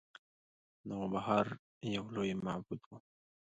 نوبهار یو لوی معبد و